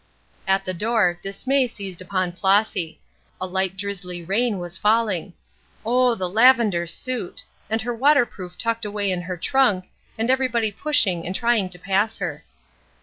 At the door dismay seized upon Flossy. A light drizzly rain was falling. Oh, the lavender suit! and her waterproof tucked away in her trunk, and everybody pushing and trying to pass her.